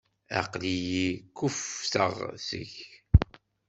Aql-iyi kuffteɣ seg-k.